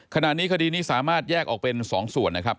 ขณะนี้คดีนี้สามารถแยกออกเป็นสองส่วนนะครับ